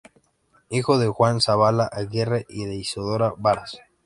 Hijo de Juan Zavala Aguirre y de Isidora Varas.